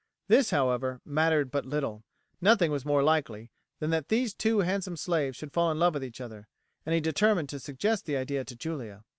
This, however, mattered but little; nothing was more likely than that these two handsome slaves should fall in love with each other, and he determined to suggest the idea to Julia.